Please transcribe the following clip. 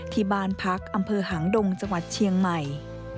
ที่บ้านพักอำเภอหางดงจังหวัดเชียงใหม่